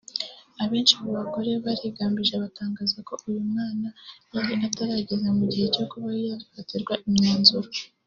Abenshi mu bagore bigaragambije batangaza ko uyu mwana yari atarageza ku gihe cyo kuba yakwifatira imyanzuro